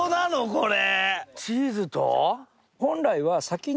これ。